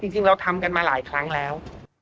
จริงเราทำกันมาหลายครั้งแล้ว